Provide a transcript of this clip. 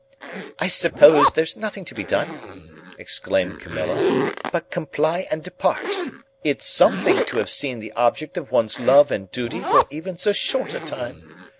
"I suppose there's nothing to be done," exclaimed Camilla, "but comply and depart. It's something to have seen the object of one's love and duty for even so short a time.